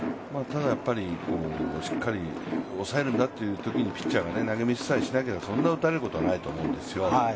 ただ、やっぱりしっかり抑えるんだというピッチャーが投げミスさえしなければ、そんなに打たれることはないと思うんですよ。